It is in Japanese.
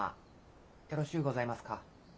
よろしうございますか？